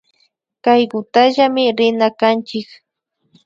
Kaykutallami rina kanchik